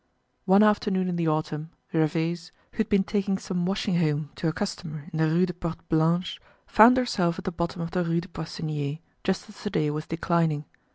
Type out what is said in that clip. One afternoon in the autumn Gervaise, who had been taking some washing home to a customer in the Rue des Portes Blanches, found herself at the bottom of the Rue des Poissonniers just as the day was declining.